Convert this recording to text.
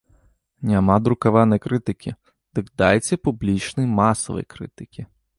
Няма друкаванай крытыкі, дык дайце публічнай масавай крытыкі!